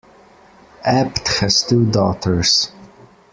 Apt has two daughters.